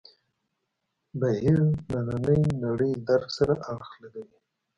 بهیر نننۍ نړۍ درک سره اړخ لګوي.